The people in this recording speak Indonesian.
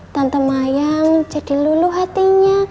tante mayang jadi luluh hatinya